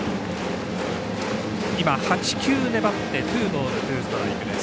今、８、９粘ってツーボール、ツーストライクです。